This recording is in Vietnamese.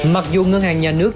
mặc dù ngân hàng nhà nước